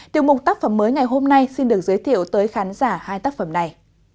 tiểu mục tác phẩm mới ngày hôm nay xin được giới thiệu tới khán giả hai tác phẩm này